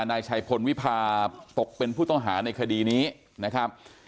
นายชัยพลวิพาตกเป็นผู้ต้องหาในคดีนี้นะครับ